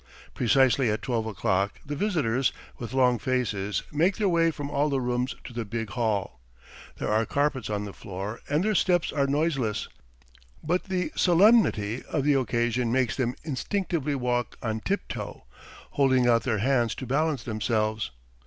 Precisely at twelve o'clock, the visitors, with long faces, make their way from all the rooms to the big hall. There are carpets on the floor and their steps are noiseless, but the solemnity of the occasion makes them instinctively walk on tip toe, holding out their hands to balance themselves.